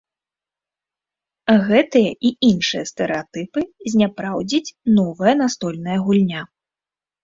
Гэтыя і іншыя стэрэатыпы зняпраўдзіць новая настольная гульня.